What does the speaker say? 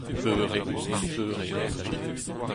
beure, ar beure